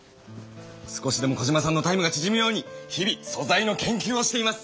少しでもコジマさんのタイムがちぢむように日々素材の研究をしています！